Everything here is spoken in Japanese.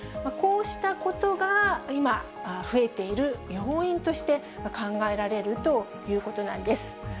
こうしたことが今、増えている要因として考えられるということなんです。